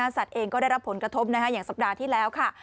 สัตว์เองก็ได้รับผลกระทบอย่างสัปดาห์ที่แล้วค่ะ